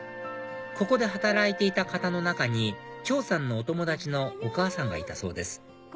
ここで働いていた方の中に張さんのお友達のお母さんがいたそうです